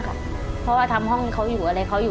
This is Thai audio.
เพราะว่าทำห้องเขาอยู่อะไรเขาอยู่